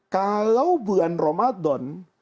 kalau bulan ramadan